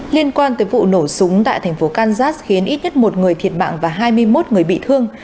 liên quan tới vụ nổ súng tại thành phố kansas khiến ít nhất một người thiệt mạng và hai mươi một người bị thương